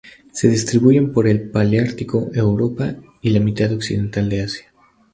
Se distribuyen por el paleártico: Europa y la mitad occidental de Asia.